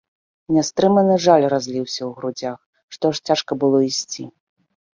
Нястрыманы жаль разліўся ў грудзях, што аж цяжка было ісці.